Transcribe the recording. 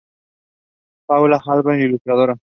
Paula Abad, ilustradora.